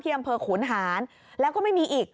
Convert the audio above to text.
อำเภอขุนหารแล้วก็ไม่มีอีก